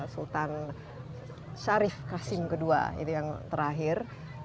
sultan syarif kasim ii itu yang terakhir